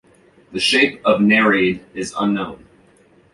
The shape of Nereid is unknown.